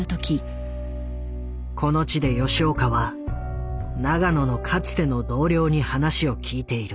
この地で吉岡は永野のかつての同僚に話を聞いている。